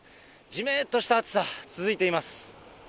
じめっとした暑さ、続いています。